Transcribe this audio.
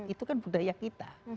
itu kan budaya kita